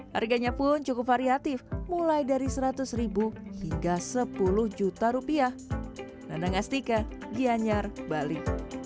harganya pun cukup variatif mulai dari seratus hingga sepuluh juta rupiah nandang astika gianyar bali